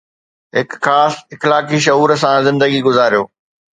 هڪ خاص اخلاقي شعور سان زندگي گذاريو